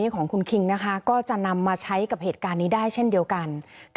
ก็จะนำมาใช้กับเหตุการณ์นี้ได้เช่นเดียวกัน